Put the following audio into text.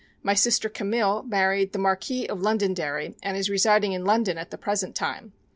My sister Camille married the Marquis of Londonderry and is residing in London at the present time.